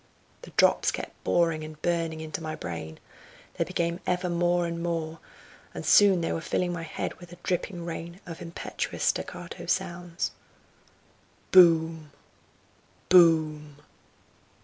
The drops kept boring and burning into my brain; they became ever more and more, and soon they were filling my head with a dripping rain of impetuous staccato sounds. "Boom! boom!